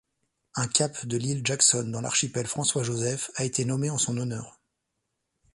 Un cap de l'île Jackson dans l'archipel François-Joseph a été nommé en son honneur.